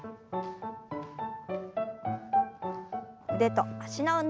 腕と脚の運動です。